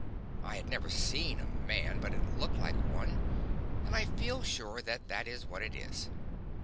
I had never seen a man, but it looked like one, and I feel sure that that is what it is.